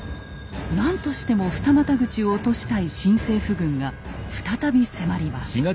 何としても二股口を落としたい新政府軍が再び迫ります。